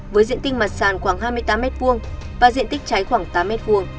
với diện tích mặt sàn khoảng hai mươi tám m hai và diện tích cháy khoảng tám m hai